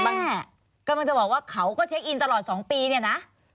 แม่กำลังจะบอกว่าเขาก็เช็คอินตลอด๒ปีเนี่ยนะ